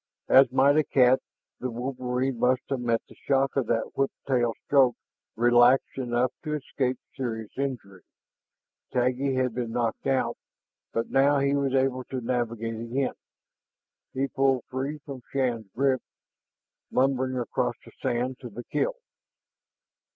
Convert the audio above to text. As might a cat, the wolverine must have met the shock of that whip tail stroke relaxed enough to escape serious injury. Taggi had been knocked out, but now he was able to navigate again. He pulled free from Shann's grip, lumbering across the sand to the kill.